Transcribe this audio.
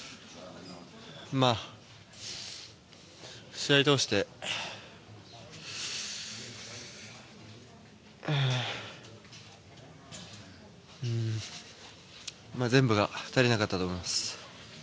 試合を通して全部が足りなかったと思います。